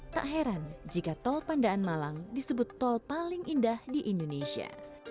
tak heran jika tol pandaan malang disebut tol paling indah di indonesia